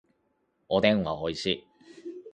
おでんはおいしい